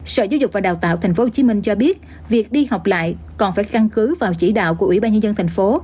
sở giáo dục và đào tạo tp hcm cho biết việc đi học lại còn phải căn cứ vào chỉ đạo của ủy ban nhân dân tp